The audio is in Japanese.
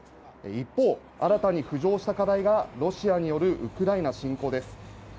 一方、新たに浮上した課題がロシアによるウクライナ侵攻です。